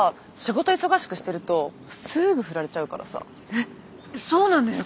えっそうなんですか？